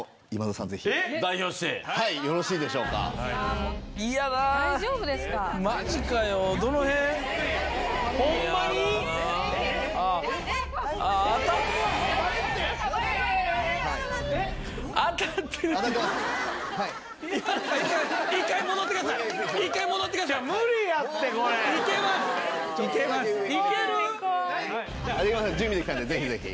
今田さん準備できたんでぜひぜひ。